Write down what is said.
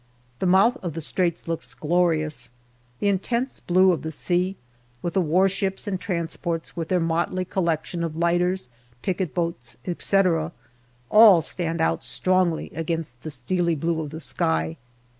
The mouth of the Straits looks glorious : the intense blue of the sea, with the warships and transports with their motley collection of lighters, picket boats, etc., all stand out strongly against the steely blue of the sky.